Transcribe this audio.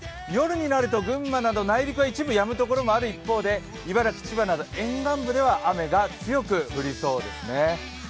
夜になると群馬など内陸は一部やむ所がある一方で、茨城、千葉など沿岸部では雨が強く降りそうですね。